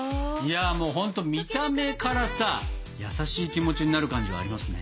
ほんと見た目からさ優しい気持ちになる感じがありますね。